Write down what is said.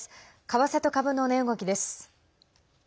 為替と株の値動きです。